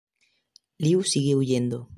Liu sigue huyendo.